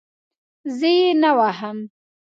زه یې نه وهم.